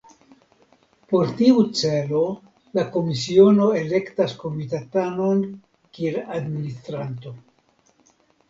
Por tiu celo la Komisiono elektas Komitatanon kiel Administranto.